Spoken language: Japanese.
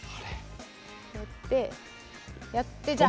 やってやってじゃあ。